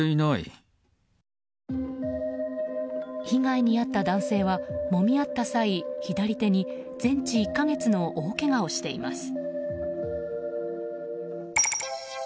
被害に遭った男性はもみ合った際左手に全治１か月の大けがをしています。